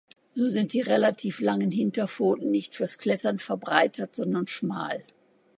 So sind die relativ langen Hinterpfoten nicht fürs Klettern verbreitert, sondern schmal.